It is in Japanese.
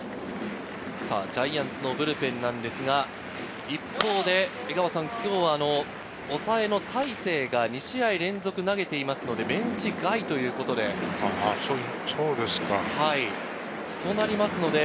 ジャイアンツのブルペンは今日は抑えの大勢が２試合連続投げていますのでベンチ外というこそうですか。